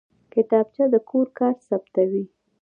کتابچه د کور کار ثبتوي